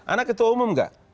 anda ketua umum enggak